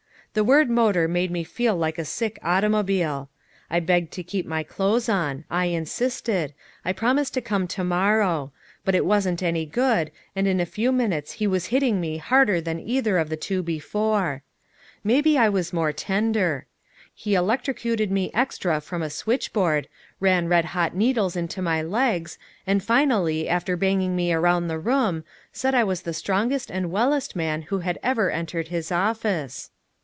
The word motor made me feel like a sick automobile. I begged to keep my clothes on; I insisted; I promised to come to morrow; but it wasn't any good, and in a few minutes he was hitting me harder than either of the two before. Maybe I was more tender! He electrocuted me extra from a switchboard, ran red hot needles into my legs, and finally, after banging me around the room, said I was the strongest and wellest man who had ever entered his office.